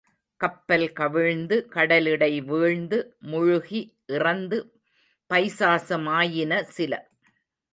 கப்பல் கவிழ்ந்து கடலிடை வீழ்ந்து முழுகி இறந்து பைசாச மாயின சில.